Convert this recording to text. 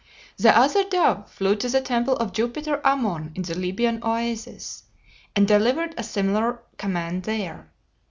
The other dove flew to the temple of Jupiter Ammon in the Libyan Oasis, and delivered a similar command there.